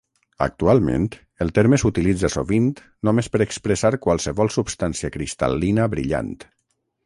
Actualment el terme s'utilitza sovint només per expressar qualsevol substància cristal·lina brillant.